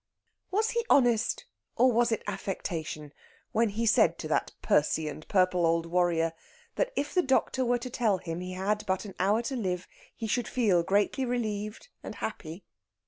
Was he honest, or was it affectation, when he said to that pursy and purple old warrior that if the doctor were to tell him he had but an hour to live he should feel greatly relieved and happy?